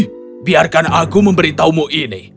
ganti rugi biarkan aku memberitahumu ini